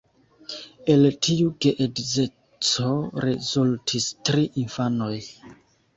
El tiu geedzeco rezultis tri infanoj.